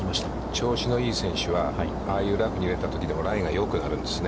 調子のいい選手は、ああいうラフに入れたときでも、ラインがよくなるんですよね。